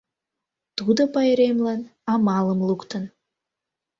Тудо пайремлан амалым луктын.